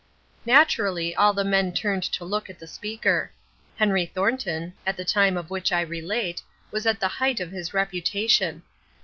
Naturally all the men turned to look at the speaker. Henry Thornton, at the time of which I relate, was at the height of his reputation.